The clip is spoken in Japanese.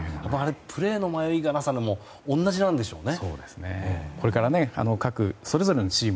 プレーの迷いのなさも同じなんでしょうね。